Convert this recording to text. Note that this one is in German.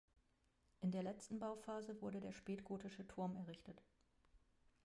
In der letzten Bauphase wurde der spätgotische Turm errichtet.